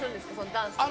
ダンスは。